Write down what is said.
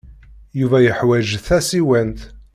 Yuba yeḥwaj tasiwant.